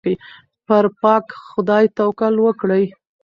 پر پاک خدای توکل وکړئ.